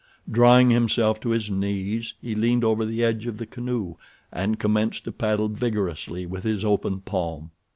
Drawing himself to his knees he leaned over the edge of the canoe and commenced to paddle vigorously with his open palm.